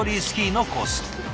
スキーのコース。